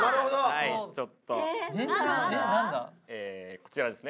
こちらですね。